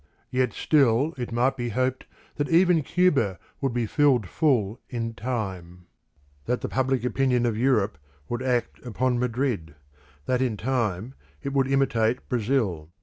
Yet still it might be hoped that even Cuba would he filled full in time; that the public opinion of Europe would act upon Madrid; that in time it would imitate Brazil.